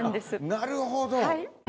なるほど。